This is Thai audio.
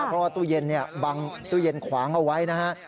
เพราะว่าตู้เย็นบังตู้เย็นขวางเอาไว้นะฮะ